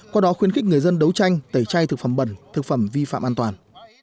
qua đó khuyến khích người dân đấu tranh tẩy chay thực phẩm bẩn thực phẩm vi phạm an toàn